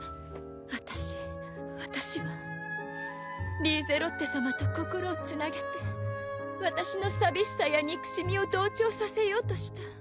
私私はリーゼロッテ様と心をつなげて私の寂しさや憎しみを同調させようとした。